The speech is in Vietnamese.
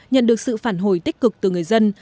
nhận được sự phản hồi tích cực từ người dân